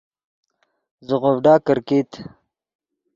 زیغوڤڈا کرکیت